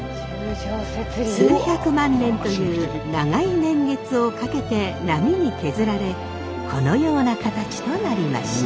数百万年という長い年月をかけて波に削られこのような形となりました。